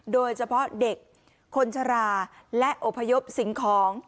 โดยเฉพาะเด็กคนชราและอพยพสิ่งของ